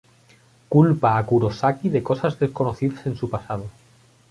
Culpa a Kurosaki de cosas desconocidas en su pasado.